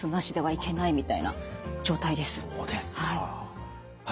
はい。